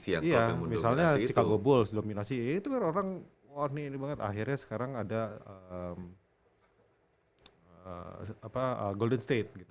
iya misalnya chicago bulls dominasi itu kan orang oh ini banget akhirnya sekarang ada golden state gitu